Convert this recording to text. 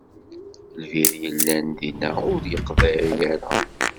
Lbir yellan dinna ur yeqḍiɛ ara.